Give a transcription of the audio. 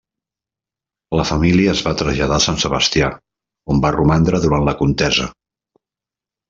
La família es va traslladar a Sant Sebastià on va romandre durant la contesa.